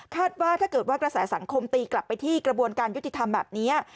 ว่าถ้าเกิดว่ากระแสสังคมตีกลับไปที่กระบวนการยุติธรรมแบบนี้